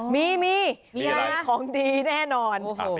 มีมีของดีแน่นอน